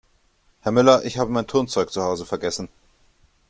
Herr Müller, ich habe mein Turnzeug zu Hause vergessen.